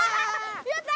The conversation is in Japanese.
やった！